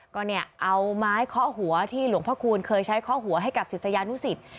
ก็เนี่ยเอาไม้เคาะหัวที่หลวงพระคูณเคยใช้เคาะหัวให้กับศิษยานุสิต